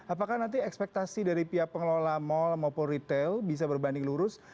apakah nanti ekspektasi dari pihak pengelola mal maupun retail bisa berbanding lurus